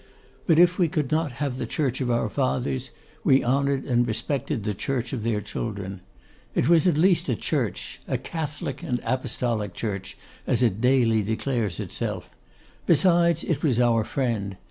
But if we could not have the Church of our fathers, we honoured and respected the Church of their children. It was at least a Church; a 'Catholic and Apostolic Church,' as it daily declares itself. Besides, it was our friend.